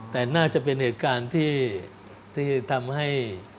แต่น่าจะเป็นเหตุการณ์ที่ทำให้